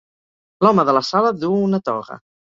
L'home de la sala duu una toga